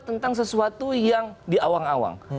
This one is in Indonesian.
tentang sesuatu yang diawang awang